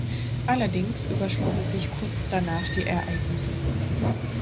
Allerdings überschlugen sich kurz danach die Ereignisse.